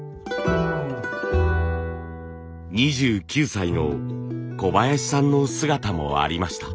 ２９歳の小林さんの姿もありました。